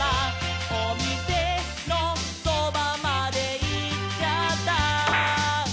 「おみせのそばまでいっちゃった」